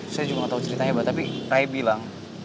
saya juga nggak tau cerita hebat tapi raya bilang